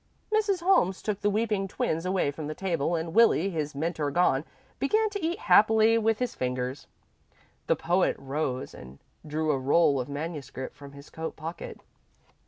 Mrs. Holmes took the weeping twins away from the table, and Willie, his mentor gone, began to eat happily with his fingers. The poet rose and drew a roll of manuscript from his coat pocket.